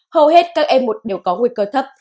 hầu hết các em một đều có nguy cơ thấp